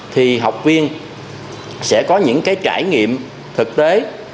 thì học viên sẽ có những cái trải nghiệm thực tế